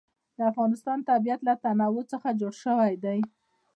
د افغانستان طبیعت له تنوع څخه جوړ شوی دی.